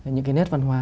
những cái nét văn hóa